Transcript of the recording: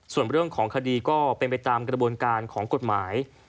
ส่วนเรื่องของคดีก็เป็นไปตามกระบวนการของกฎหมาย